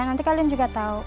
nanti kalian juga tau